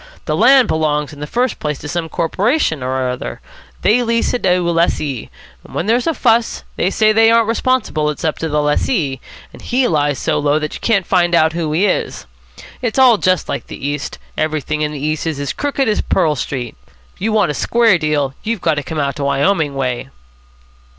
The land belongs in the first place to some corporation or other. They lease it to a lessee. When there's a fuss, they say they aren't responsible, it's up to the lessee. And he lies so low that you can't find out who he is. It's all just like the East. Everything in the East is as crooked as Pearl Street. If you want a square deal, you've got to come out Wyoming way."